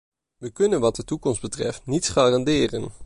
We kunnen wat de toekomst betreft niets garanderen.